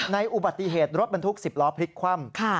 อุบัติเหตุรถบรรทุก๑๐ล้อพลิกคว่ำ